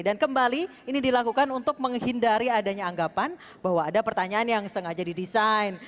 dan kembali ini dilakukan untuk menghindari adanya anggapan bahwa ada pertanyaan yang sengaja didesain